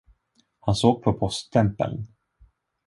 Han såg på poststämpeln.